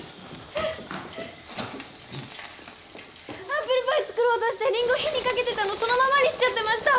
アップルパイ作ろうとしてリンゴ火にかけてたのそのままにしちゃってました！